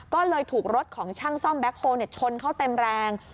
ก็เลยถูกรถของช่างซ่อมแบ็คโฮลชนเขาเต็มแรง